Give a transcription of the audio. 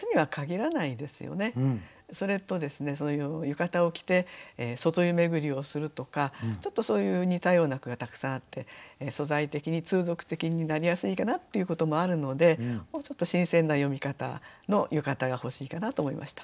それとその浴衣を着て外湯巡りをするとかちょっとそういう似たような句がたくさんあって素材的に通俗的になりやすいかなということもあるのでもうちょっと新鮮な詠み方の浴衣が欲しいかなと思いました。